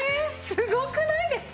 すごくないですか？